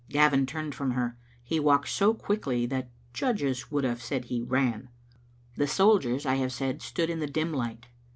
Gavin turned from her. He walked so quickly that judges would have said he ran. The soldiers, I have said, stood in the dim light.